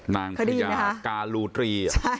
นางปริยากาลูตรี